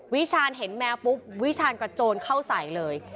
วิชาณเห็นแมวปุ๊บวิชาณกระโจนเข้าใส่เลย